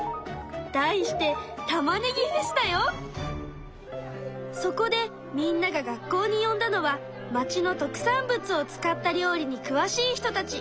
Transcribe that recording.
題して「たまねぎフェス」だよ！そこでみんなが学校によんだのは町の特産物を使った料理に詳しい人たち。